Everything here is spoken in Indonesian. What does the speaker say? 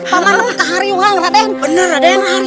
paman hari hari uang raden